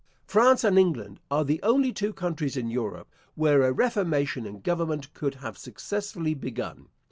France and England are the only two countries in Europe where a reformation in government could have successfully begun.